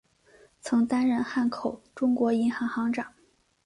曾担任汉口中国银行行长。